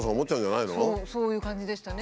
そういう感じでしたね。